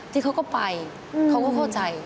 ที่เขาก็ไปเขาก็เข้าใจ